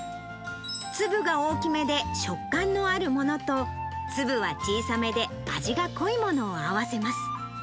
粒が大きめで食感のあるものと、粒は小さめで味が濃いものを合わせます。